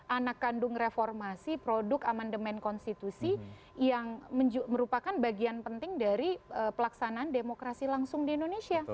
anak kandung reformasi produk amandemen konstitusi yang merupakan bagian penting dari pelaksanaan demokrasi langsung di indonesia